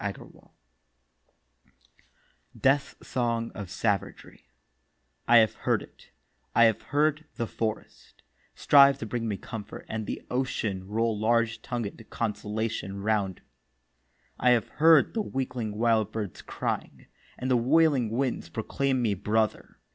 DEATH SONG OF SAVAGERY I have heard it—I have heard the Forest Strive to bring me comfort, and the Ocean Roll large tongued consolation round me. I have heard the weakling Wildbirds crying, And the wailing Winds proclaim me brother.